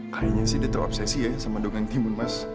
kayaknya sih dia terobsesi ya sama dongeng timun mas